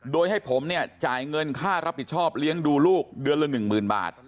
โดยให้ผมเนี่ยจ่ายเงินค่ารับผิดชอบเลี้ยงดูลูกเดือนละ๑๐๐๐บาท